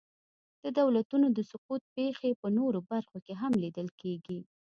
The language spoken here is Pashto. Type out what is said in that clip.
د دولتونو د سقوط پېښې په نورو برخو کې هم لیدل کېږي.